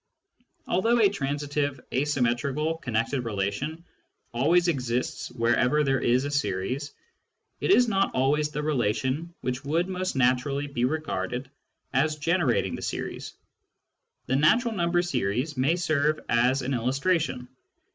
Although a transitive asymmetrical connected relation always exists wherever there is a series, it is not always the relation which would most naturally be regarded as generating the series. The natural number series may serve as an illustration.